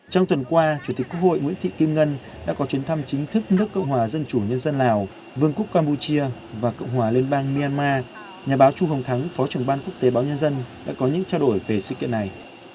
trong tuần qua chủ tịch quốc hội nguyễn thị kim ngân đã có chuyến thăm chính thức nước cộng hòa dân chủ nhân dân lào vương quốc campuchia và cộng hòa liên bang myanmar nhà báo chu hồng thắng phó trưởng ban quốc tế báo nhân dân đã có những trao đổi về sự kiện này